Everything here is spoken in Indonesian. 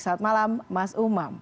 selamat malam mas umam